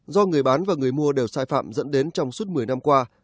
do người bán và người mua đều sai phạm dẫn đến trong suốt một mươi năm qua